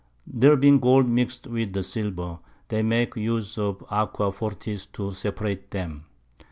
There being Gold mix'd with the Silver, they make use of Aqua Fortis to separate them.